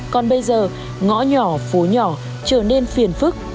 còn bây giờ ngõ nhỏ phố nhỏ trở nên phiền phức